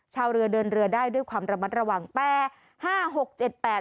ชาวเรือเดินเรือได้ด้วยความระมัดระวังแปดห้าหกเจ็ดแปด